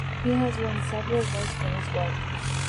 He has won several awards for his work.